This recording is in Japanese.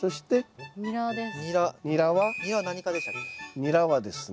ニラはですね